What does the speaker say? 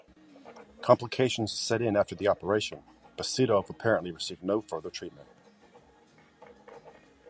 Complications set in after the operation, but Sedov apparently received no further treatment.